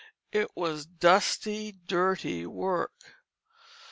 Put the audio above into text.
It was dusty, dirty work.